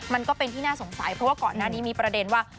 มันก็เป็นที่น่าสงสัยเพราะว่าก่อนหน้านี้มีประเด็นว่า